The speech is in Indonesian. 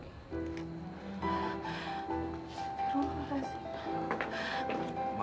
terima kasih pak